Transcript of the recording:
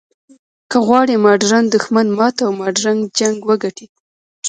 که غواړې ماډرن دښمن مات او ماډرن جنګ وګټې.